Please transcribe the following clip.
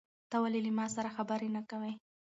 ته ولې له ما سره خبرې نه کوې؟